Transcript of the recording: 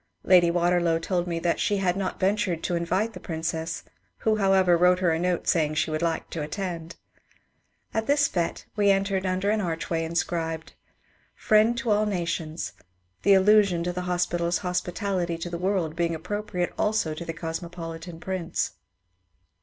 Lady Waterlow told me that she had not ventured to invite the Princess, who, however, wrote her a note saying she would like to attend. At this fete we entered under an archway inscribed :^^ Friend to all Nations," — the allusion to the hospital's hospitality to the world being appropriate also to the cosmopolitan Prince.